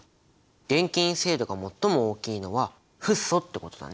電気陰性度が最も大きいのはフッ素ってことだね。